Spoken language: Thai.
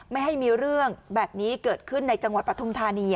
ไม่ให้มีเรื่องแบบนี้เกิดขึ้นในจังหวัดปฐุมธานี